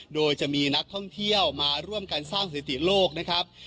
โดยจะมีนักท่องเที่ยวมาร่วมกันสร้างสถิติโลกนะครับ